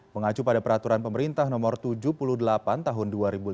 mengacu pada peraturan pemerintah nomor tujuh puluh delapan tahun dua ribu lima belas